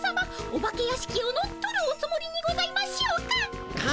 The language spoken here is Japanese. お化け屋敷を乗っ取るおつもりにございましょうか？